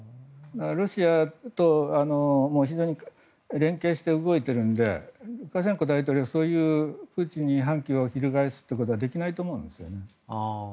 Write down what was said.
ロシアと非常に連携して動いているのでルカシェンコ大統領そういうプーチンに反旗を翻すってことはできないと思うんですよね。